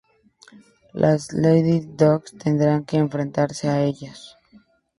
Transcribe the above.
Las Lady Dogs tendrán que enfrentarse a ellos.